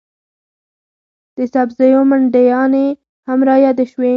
د سبزیو منډیانې هم رایادې شوې.